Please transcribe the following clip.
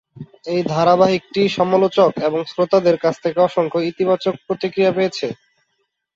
এই ধারাবাহিকটি সমালোচক এবং শ্রোতাদের কাছ থেকে অসংখ্য ইতিবাচক প্রতিক্রিয়া পেয়েছে।